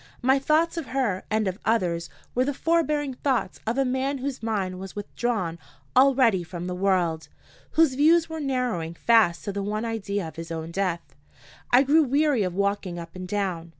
My thoughts of her and of others were the forbearing thoughts of a man whose mind was withdrawn already from the world, whose views were narrowing fast to the one idea of his own death. I grew weary of walking up and down.